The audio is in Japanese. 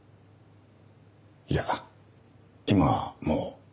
いや今はもう。